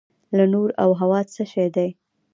لکه نور او هوا څه شی دي؟